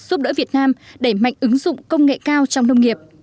giúp đỡ việt nam đẩy mạnh ứng dụng công nghệ cao trong nông nghiệp